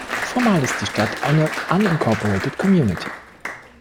Formal ist die Stadt eine Unincorporated Community.